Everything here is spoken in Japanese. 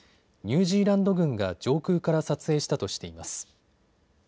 ニュージーランド軍が上空から撮影したとしています。